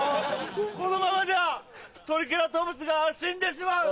このままではトリケラトプスが死んでしまう！